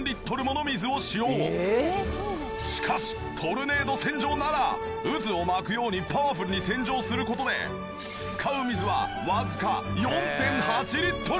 しかしトルネード洗浄なら渦を巻くようにパワフルに洗浄する事で使う水はわずか４．８リットル！